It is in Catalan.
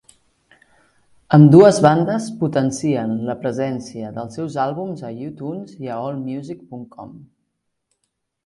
Ambdues bandes potencien la presència dels seus àlbums a iTunes i Allmusic.com.